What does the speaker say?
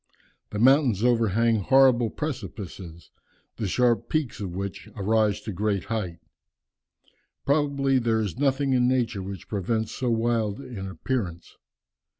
The mountains overhang horrible precipices, the sharp peaks of which arise to great height. Probably there is nothing in nature which presents so wild an appearance.